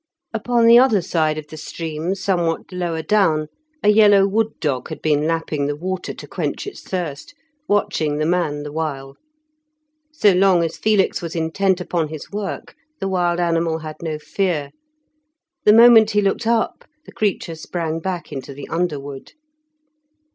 Upon the other side of the stream, somewhat lower down, a yellow wood dog had been lapping the water to quench its thirst, watching the man the while. So long as Felix was intent upon his work, the wild animal had no fear; the moment he looked up, the creature sprang back into the underwood.